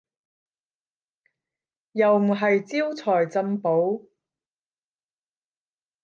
又唔係招財進寶